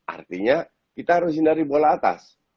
artinya kita harus hindari bola atas